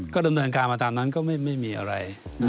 ก็ดำเนินการมาตามนั้นก็ไม่มีอะไร